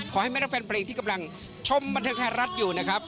ขอให้แม่รักแฟนเพลงที่กำลังชมบันเทิงไทยรัฐอยู่นะครับ